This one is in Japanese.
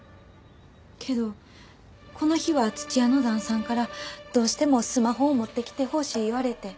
けどこの日は土屋の旦さんからどうしてもスマホを持ってきてほしい言われて。